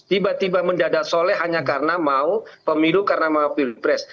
tiba tiba mendadak soleh hanya karena mau pemilu karena mau pilpres